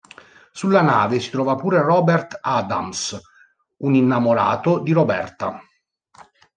Sulla nave si trova pure Robert Adams, un innamorato di Roberta.